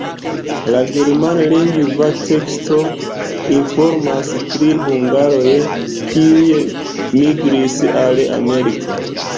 La germanlingva teksto informas pri hungaroj, kiuj migris al Ameriko.